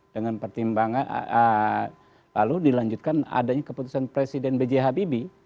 dengan pertimbangan lalu dilanjutkan adanya keputusan presiden bj habibie